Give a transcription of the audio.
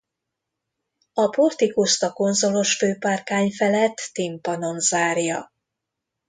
A portikuszt a konzolos főpárkány felett timpanon zárja.